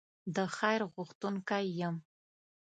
د خیر غوښتونکی یم.